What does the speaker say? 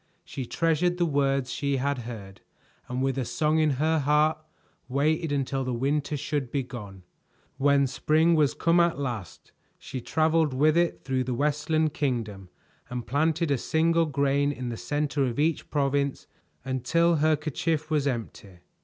She treasured the words she had heard, and with a song in her heart, waited until the winter should be gone. When spring was come at last, she traveled with it through the Westland Kingdom and planted a single grain in the center of each province, until her kerchief was empty.